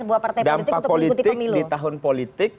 mengikuti pemilu dampak politik di tahun politik